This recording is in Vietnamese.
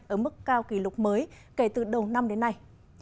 ở mức cao kỷ lục mới kể từ đầu năm đến nay